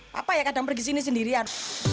papa ya kadang pergi sini sendirian